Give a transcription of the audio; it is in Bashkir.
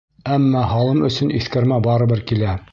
Әммә һалым өсөн иҫкәрмә барыбер килә.